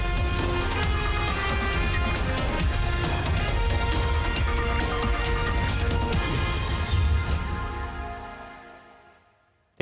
เอาล่ะครับ